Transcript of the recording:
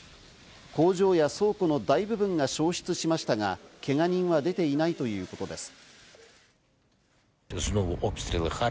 工場や倉庫の大部分が焼失しましたが、けが人は出ていないということです。